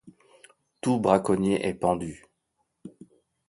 Tout braconnier est pendu.